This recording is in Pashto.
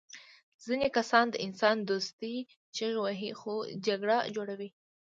ځینې کسان د انسان دوستۍ چیغې وهي خو جګړه جوړوي